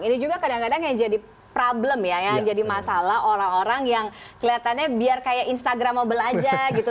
ini juga kadang kadang yang jadi problem ya yang jadi masalah orang orang yang kelihatannya biar kayak instagramable aja gitu